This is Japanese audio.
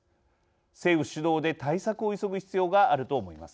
政府主導で対策を急ぐ必要があると思います。